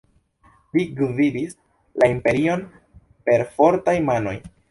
Li gvidis la imperion per fortaj manoj.